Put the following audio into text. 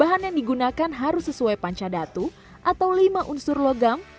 bahan yang digunakan harus sesuai panca datu atau lima unsur logam